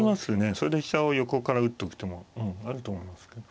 それで飛車を横から打っとく手もあると思いますけど。